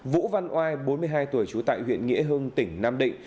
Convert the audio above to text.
vũ văn oai bốn mươi hai tuổi trú tại huyện nghĩa hưng tỉnh nam định